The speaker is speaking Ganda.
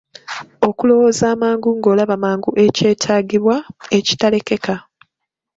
Okulowooza amangu ng'olaba mangu ekyetaagibwa, ekitalekeka.